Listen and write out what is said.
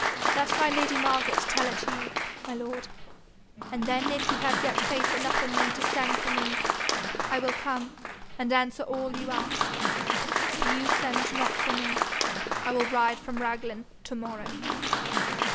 Let my lady Margaret tell it you, my lord, and then if you have yet faith enough in me to send for me, I will come and answer all you ask. If you send not for me, I will ride from Raglan to morrow.'